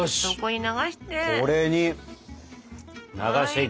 そこに流して。